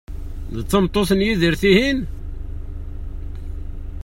D tameṭṭut n Yidir, tihin?